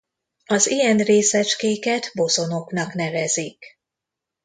Az ilyen részecskéket bozonoknak nevezik.